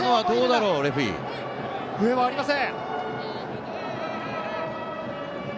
笛はありません。